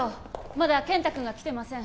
まだ健太君が来てません